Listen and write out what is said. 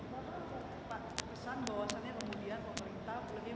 bapak pesan bahwasannya kemudian pemerintah